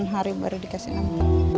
delapan hari baru dikasih nama